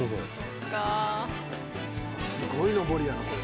すごい上りやなこれ。